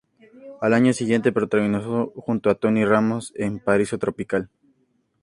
Al año siguiente, protagonizó junto a Tony Ramos en "Paraíso Tropical".